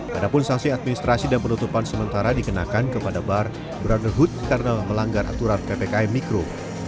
padahal sanksi administrasi dan penutupan sementara dikenakan kepada bar brotherhood karena melanggar aturan ppkm mikro